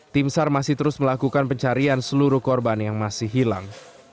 tim sar masih terus melakukan pencarian seluruh korban yang masih hilang